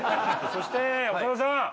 そして長田さん！